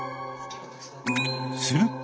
すると。